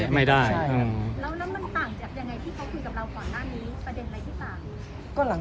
แล้วมันต่างจากยังไงที่เขาคุยกับเราก่อนหน้านี้ประเด็นอะไรที่ต่าง